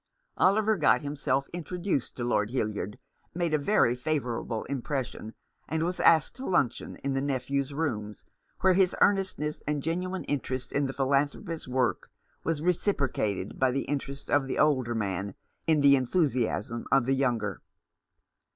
Oliver got himself introduced to Lord Hildyard, made a very favourable impression, and was asked to luncheon in the nephew's rooms, where his earnestness and genuine interest in the philan thropist's work was reciprocated by the interest of the older man in the enthusiasm of the younger.